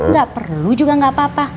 gak perlu juga gak apa apa